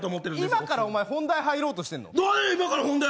今から本題入ろうとしてるの？